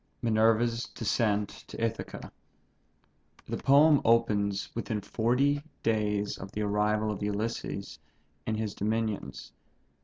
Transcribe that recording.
MINERVA'S DESCENT TO ITHACA. The poem opens within forty eight days of the arrival of Ulysses in his dominions.